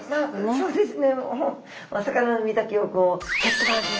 そうですね。